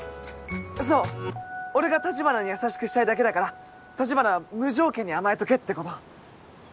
そう俺が橘に優しくしたいだけだから橘は無条件に甘えとけってこと。